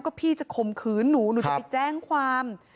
ก็พี่จะข่มขืนหนูหนูจะไปแจ้งความ